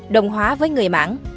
đồng hóa với người mãng